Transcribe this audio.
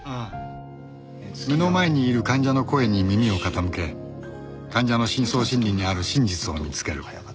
目の前にいる患者の声に耳を傾け患者の深層心理にある真実を見つける